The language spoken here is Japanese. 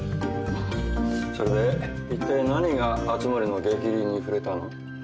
それでいったい何が熱護の逆鱗に触れたの？